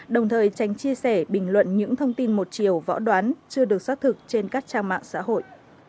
đồng thời tránh chia sẻ bình luận những thông tin một chiều võ đoán chưa được xác thực trên các trang mạng xã hội